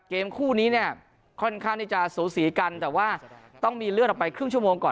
เกมคู่นี้เนี่ยค่อนข้างที่จะสูสีกันแต่ว่าต้องมีเลื่อนออกไปครึ่งชั่วโมงก่อน